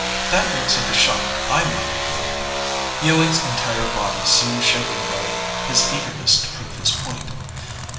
"That looks like a shot I might have made." Ewing's entire body seemed shaken by his eagerness to prove his point.